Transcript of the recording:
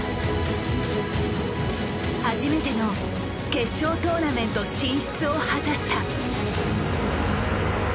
初めての決勝トーナメント進出を果たした。